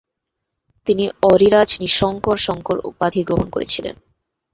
তিনি "অরিরাজ নিঃশঙ্ক শঙ্কর" উপাধি গ্রহণ করেছিলেন।